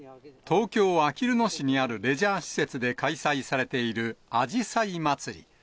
東京・あきる野市にあるレジャー施設で開催されているあじさい祭り。